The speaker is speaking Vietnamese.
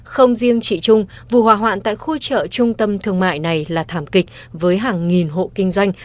không riêng chị trung vụ hỏa hoạn tại khu chợ trung tâm thương mại này là thảm kịch với hàng nghìn hộ kinh doanh